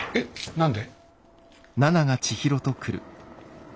何で？